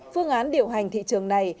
phương án điều hành thị trường này